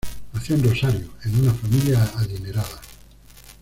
Nació en Rosario, en una familia adinerada.